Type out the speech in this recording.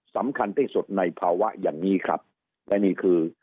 สำคัญที่สุดในภาวะอย่างนี้ครับและนี่คือ